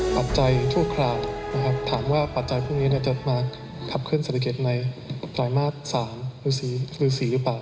ปัจจัยถูกขลาดถามว่าปัจจัยพรุ่งนี้จะมาขับเคลื่อนเศรษฐกิจในไตรมาส๓หรือ๔หรือเปล่า